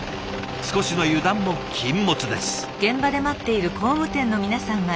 少しの油断も禁物です。